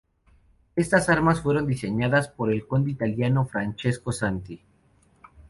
Estas armas fueron diseñadas por el conde italiano Francesco Santi.